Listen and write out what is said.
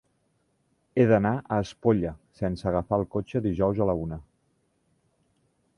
He d'anar a Espolla sense agafar el cotxe dijous a la una.